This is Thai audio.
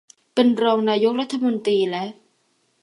เป็นรองนายกรัฐมนตรีและ